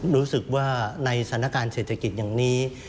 รู้สึกว่าในสถานการณ์เศรษฐกิจอย่างนี้